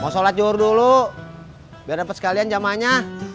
mau sholat yur dulu biar dapet sekalian jamaahnya